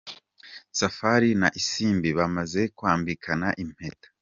Safari na Isimbi bamaze kwambikana impeta.